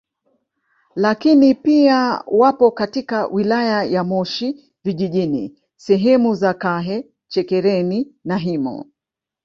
Lakini pia wapo katika wilaya ya Moshi Vijijini sehemu za Kahe Chekereni na Himo